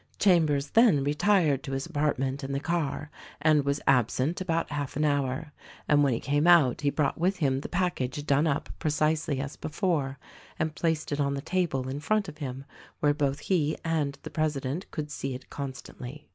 Chambers then retired to his apart ment in the car and was absent about half an hour, and when he came out he brought with him the package done up precisely as before and placed it on the table in front of him where both he and the president could see it con stantly.